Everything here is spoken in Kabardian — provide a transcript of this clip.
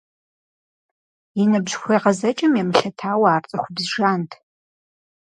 И ныбжь хуегъэзэкӀым емылъытауэ ар цӏыхубз жант.